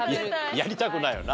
やりたくないよな。